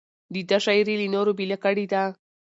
د ده شاعري له نورو بېله کړې ده.